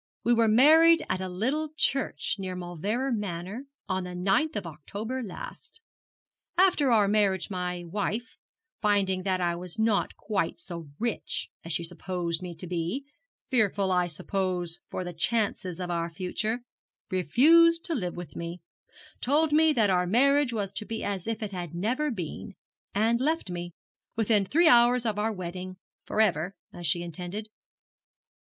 We were married at a little church near Mauleverer Manor, on the ninth of October last. After our marriage my wife finding that I was not quite so rich as she supposed me to be fearful, I suppose, for the chances of our future refused to live with me told me that our marriage was to be as if it had never been and left me, within three hours of our wedding, for ever, as she intended.'